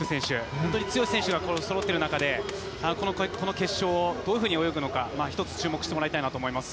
本当に強い選手がそろっている中この決勝をどういうふうに泳ぐのか１つ、注目してもらいたいと思います。